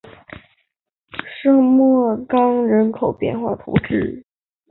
圣莫冈人口变化图示